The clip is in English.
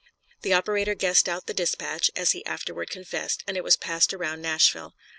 The operator guessed out the dispatch, as he afterward confessed, and it was passed around Nashville.